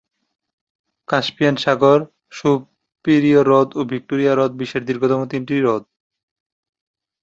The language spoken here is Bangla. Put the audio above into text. কাস্পিয়ান সাগর, সুপিরিয়র হ্রদ ও ভিক্টোরিয়া হ্রদ বিশ্বের বৃহত্তম তিনটি হ্রদ।